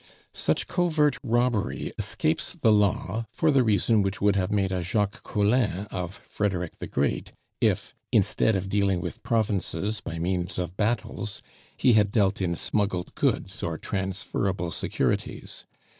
Such covert robbery escapes the law for the reason which would have made a Jacques Collin of Frederick the Great, if, instead of dealing with provinces by means of battles, he had dealt in smuggled goods or transferable securities.